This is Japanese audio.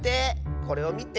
これをみて。